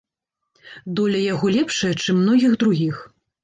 Доля яго лепшая, чым многіх другіх.